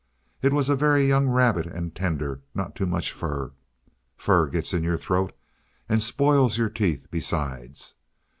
It was a very young rabbit, and tender. Not too much fur. Fur gets in your throat, and spoils your teeth, besides.